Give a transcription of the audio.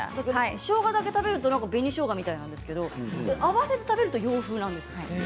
しょうがだけを食べると紅しょうがなんですが合わせて食べると洋風なんです。